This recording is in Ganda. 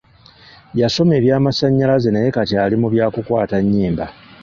Yasoma eby'amasannyalaze naye kati ali mu byakukwata nnyimba.